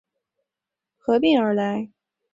卡赫和布拉瑟姆合并而来。